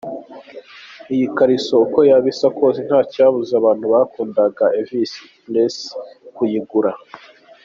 Iyi kariso uko yaba isa kose nta cyabuza abantu bakundaga Evis Presley kuyigura”.